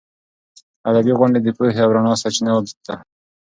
ادبي غونډې د پوهې او رڼا سرچینه ده.